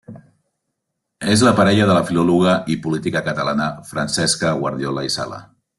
És la parella de la filòloga i política catalana Francesca Guardiola i Sala.